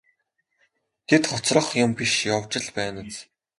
Тэд хоцрох юм биш явж л байна биз.